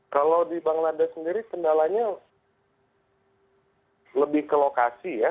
kalau di bangladesh sendiri kendalanya lebih ke lokasi ya